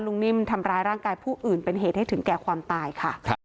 นิ่มทำร้ายร่างกายผู้อื่นเป็นเหตุให้ถึงแก่ความตายค่ะ